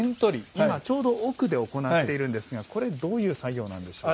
今、ちょうど奥で行っているんですが、これはどういう作業なんでしょうか。